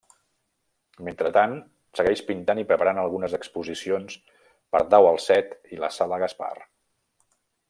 Mentrestant, segueix pintant i preparant algunes exposicions per Dau al Set i la Sala Gaspar.